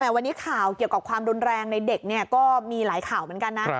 วันนี้ข่าวเกี่ยวกับความรุนแรงในเด็กก็มีหลายข่าวเหมือนกันนะ